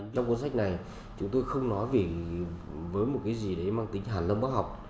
trong cuốn sách này chúng tôi không nói vì với một cái gì đấy mang tính hàn lâm bác học